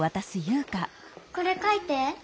これ書いて。